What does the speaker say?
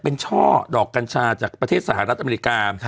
เป็นช่อดอกกัญชาจากประเทศสหรัฐอเมริกา